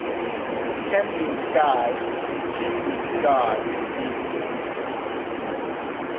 Ten means sky and jin means god or deity.